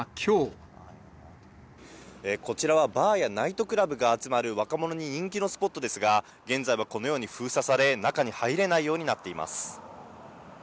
こちらは、バーやナイトクラブが集まる、若者に人気のスポットですが、現在はこのように封鎖され、中に入れないようになっています。